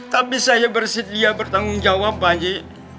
tapi saya bersedia bertanggung jawab pak haji